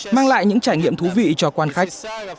mang lại những trải nghiệm thú vị cho quan khách